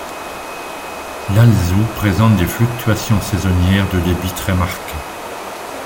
L'Alzou présente des fluctuations saisonnières de débit très marquées.